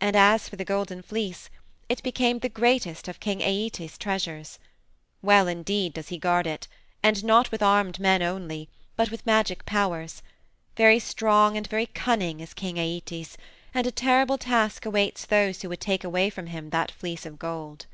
"And as for the Golden Fleece it became the greatest of King Æetes's treasures. Well indeed does he guard it, and not with armed men only, but with magic powers. Very strong and very cunning is King Æetes, and a terrible task awaits those who would take away from him that Fleece of Gold."